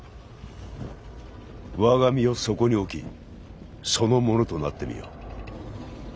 我が身をそこに置きその者となってみよ。